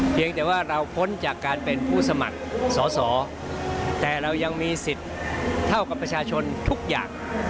เพียงแต่ว่าเราพ้นจากการเป็นผู้สมัครสอสอแต่เรายังมีสิทธิ์เท่ากับประชาชนทุกอย่าง